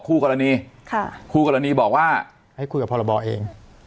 คู่กรณีค่ะคู่กรณีบอกว่าให้คุยกับพรบเอง